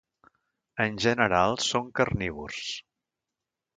En general, són carnívors.